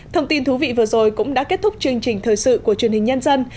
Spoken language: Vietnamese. thông tin thú vị vừa rồi cũng đã kết thúc chương trình thời sự của truyền hình nhân dân